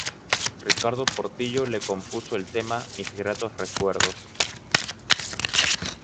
Ricardo Portillo le compuso el tema "Mis gratos recuerdos.